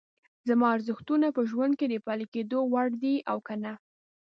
زما ارزښتونه په ژوند کې د پلي کېدو وړ دي او که نه؟